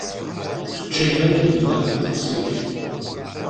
Ečč ayen akk i yellan deg uḍebsi-k.